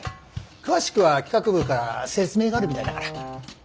詳しくは企画部から説明があるみたいだから。